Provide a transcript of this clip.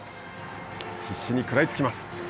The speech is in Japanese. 必死にくらいつきます。